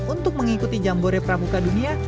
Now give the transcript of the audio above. untuk mengikuti jambore pramuka dunia